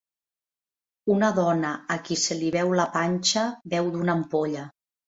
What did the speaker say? Una dona a qui se li veu la panxa beu d'una ampolla.